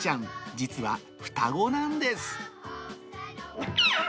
実は双子なんです。